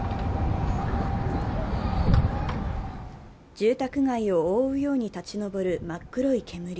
住宅街を覆うように立ち上る真っ黒い煙。